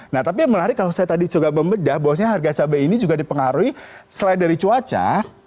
nah tapi yang menarik kalau saya tadi coba membedah bahwasannya harga cabai ini juga dipengaruhi selain dari cuaca